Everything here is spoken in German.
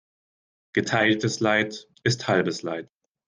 Geteiltes Leid ist halbes Leid.